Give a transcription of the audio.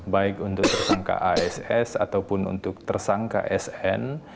baik untuk tersangka ass ataupun untuk tersangka sn